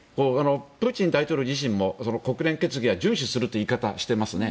プーチン大統領自身も国連決議は順守するという言い方をしていますね。